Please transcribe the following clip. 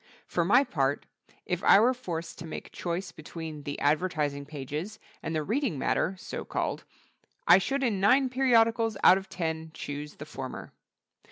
For my part, if I were forced to make choice between the advertising pages and the reading matter (so called), I should in nine periodicals out of ten choose the former.